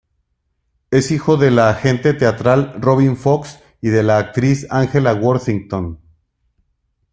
Es hijo del agente teatral Robin Fox y de la actriz Angela Worthington.